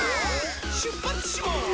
しゅっぱつします！